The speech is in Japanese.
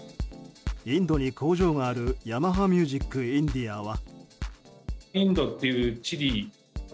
インドに工場があるヤマハミュージックインディアは。